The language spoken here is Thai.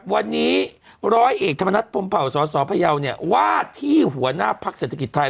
วันนี้ร้อยเอกธรรมนัฐพรมเผาสสพยาวเนี่ยว่าที่หัวหน้าพักเศรษฐกิจไทย